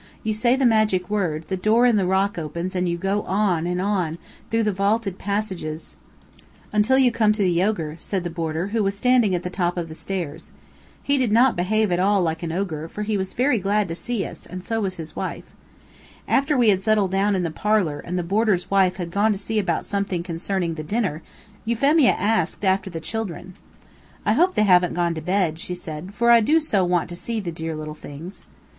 "You say the magic word, the door in the rock opens and you go on, and on, through the vaulted passages " "Until you come to the ogre," said the boarder, who was standing at the top of the stairs. He did not behave at all like an ogre, for he was very glad to see us, and so was his wife. After we had settled down in the parlor and the boarder's wife had gone to see about something concerning the dinner, Euphemia asked after the children. "I hope they haven't gone to bed," she said, "for I do so want to see the dear little things."